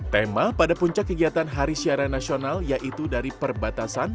tema pada puncak kegiatan hari siaran nasional yaitu dari perbatasan